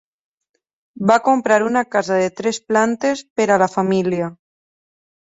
Va comprar una casa de tres plantes per a la família.